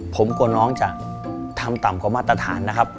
ผมกลัวน้องจะทำต่ำกว่ามาตรฐานนะครับ